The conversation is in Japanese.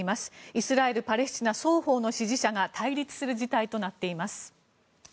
イスラエル、パレスチナ双方の支持者が対立する事態となっています。